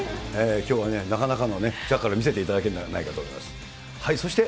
きょうはね、なかなかのジャッカル、見せていただけるんではないかと思います。